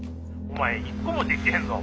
お前一個もできてへんぞ！